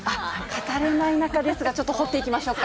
語れない中ですが、ちょっと、掘っていきましょうか。